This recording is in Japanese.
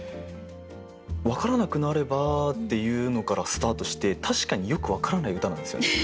「わからなくなれば」っていうのからスタートして確かによく「わからない」歌なんですよね。